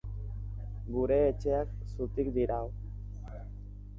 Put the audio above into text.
Gure etxeak zutik dirau.